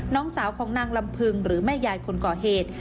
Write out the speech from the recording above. น้องสาวของนางลำพึงหรือแม่ยายคนก่อเหตุ